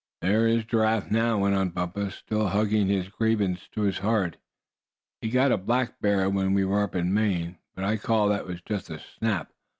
"There is Giraffe, now," went on Bumpus, still hugging his grievance to his heart; "he got a black bear when we were up in Maine, but I call that just a snap.